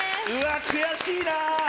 悔しいな。